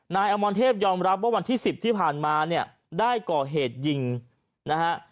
อมรเทพยอมรับว่าวันที่๑๐ที่ผ่านมาเนี่ยได้ก่อเหตุยิงนะฮะ